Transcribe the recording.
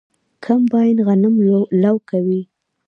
کمباین غنم لو کوي.